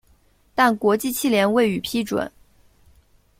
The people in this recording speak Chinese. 但国际汽联未予批准。